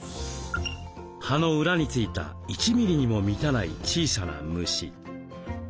葉の裏に付いた１ミリにも満たない小さな虫。